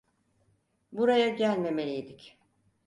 Buraya gelmemeliydik.